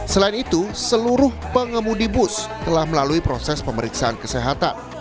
selain itu seluruh pengemudi bus telah melalui proses pemeriksaan kesehatan